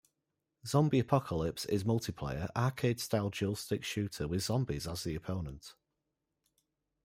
"Zombie Apocalypse" is multiplayer, arcade style dual stick shooter with zombies as the opponent.